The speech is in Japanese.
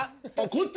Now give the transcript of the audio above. ⁉こっち？